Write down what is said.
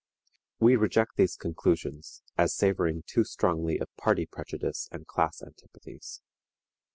We reject these conclusions, as savoring too strongly of party prejudice and class antipathies.